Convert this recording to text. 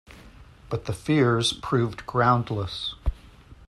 But the fears proved groundless.